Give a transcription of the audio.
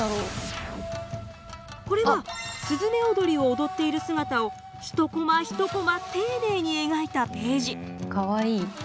これは雀踊りを踊っている姿を一コマ一コマ丁寧に描いたページ。